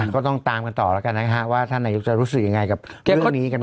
ก็ต้องตามกันต่อแล้วกันนะฮะว่าท่านนายกจะรู้สึกยังไงกับเรื่องนี้กันบ้าง